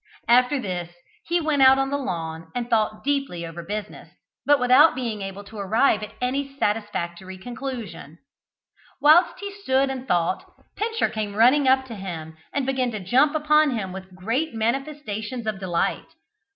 After this he went out on the lawn, and thought deeply over the business; but without being able to arrive at any satisfactory conclusion. Whilst he stood and thought, Pincher came running up to him, and began to jump upon him with great manifestations of delight.